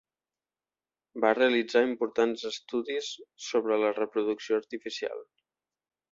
Va realitzar importants estudis sobre la reproducció artificial.